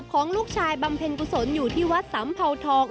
ของลูกชายบำเพ็ญกุศลอยู่ที่วัดสำเภาทอง